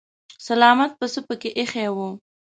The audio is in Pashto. سلامت پسه پکې ايښی و.